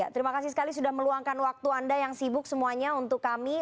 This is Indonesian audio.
terima kasih sekali sudah meluangkan waktu anda yang sibuk semuanya untuk kami